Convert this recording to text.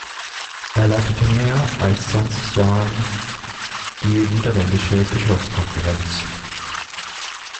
Er leitete mehr als zwanzig Jahren die Niederländische Bischofskonferenz.